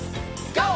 ＧＯ！